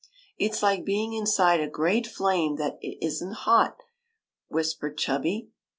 '' It 's like being inside a great flame that is n't hot," whispered Chubby.